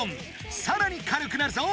さらにかるくなるぞ！